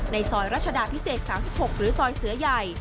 ในซอยรัชดาพิเศษ๓๖หรือซอยเสือใหญ่